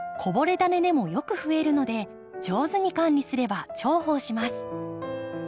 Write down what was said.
ダネでもよくふえるので上手に管理すれば重宝します。